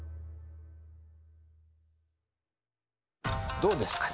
どうですかね？